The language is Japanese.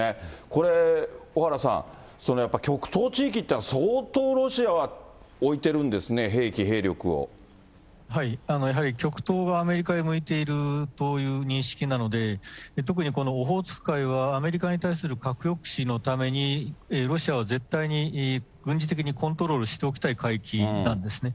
これ、小原さん、やっぱり極東地域っていうのは、相当ロシアは置いてるんですね、やはり、極東がアメリカに向いているという認識なので、特にこのオホーツク海はアメリカに対する核抑止のために、ロシアは絶対に軍事的にコントロールしておきたい海域なんですね。